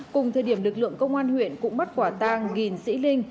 cùng thời điểm lực lượng công an huyện cũng bắt quả tang ghin di linh